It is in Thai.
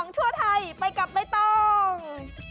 ๒ชั่วไทยไปกับไม่ต้อง